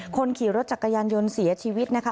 คนขี่รถจักรยานยนต์เสียชีวิตนะคะ